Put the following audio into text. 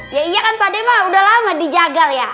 ya iya kan pak de mah udah lama dijagal ya